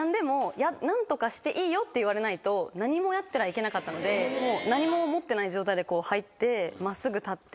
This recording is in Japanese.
「何とかしていいよ」って言われないと何もやったらいけなかったので何も持ってない状態で入って真っすぐ立って。